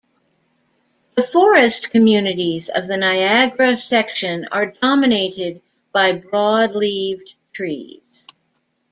The forest communities of the Niagara Section are dominated by broad-leaved trees.